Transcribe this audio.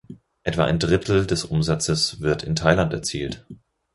Etwa ein Drittel des Umsatzes wird in Thailand erzielt.